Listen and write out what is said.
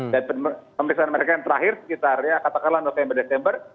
dan pemeriksaan mereka yang terakhir sekitarnya katakanlah november december